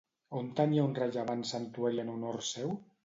On tenia un rellevant santuari en honor seu?